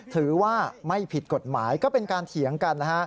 ถือว่าไม่ผิดกฎหมายก็เป็นการเถียงกันนะฮะ